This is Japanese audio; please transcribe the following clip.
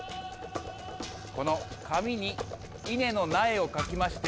この紙に稲の苗を描きまして